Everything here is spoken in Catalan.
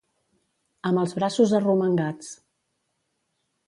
Amb els braços arromangats.